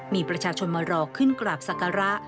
มีประชาชนมารอขึ้นกราบศักระ